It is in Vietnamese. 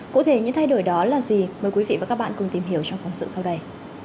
cụ thể những thay đổi đó là gì mời quý vị và các bạn cùng tìm hiểu trong phóng sự sau đây